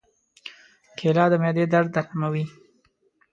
کېله د معدې درد آراموي.